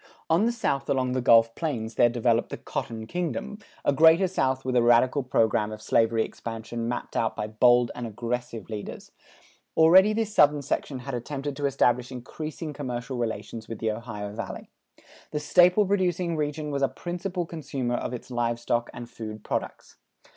On the south along the Gulf Plains there developed the "Cotton Kingdom," a Greater South with a radical program of slavery expansion mapped out by bold and aggressive leaders. Already this Southern section had attempted to establish increasing commercial relations with the Ohio Valley. The staple producing region was a principal consumer of its live stock and food products.